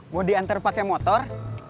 mau dianter pakai motor